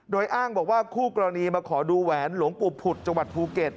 โดยอ้างบอกว่าคู่กรณีมาขอดูแหวนหลวงปู่ผุดจังหวัดภูเก็ต